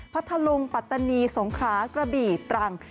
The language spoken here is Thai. พัทธลุงปัตตานีสงขากระบี่ตรัง